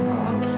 oh gitu ya